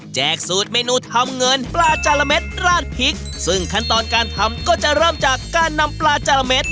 สูตรเมนูทำเงินปลาจาระเม็ดราดพริกซึ่งขั้นตอนการทำก็จะเริ่มจากการนำปลาจาระเม็ด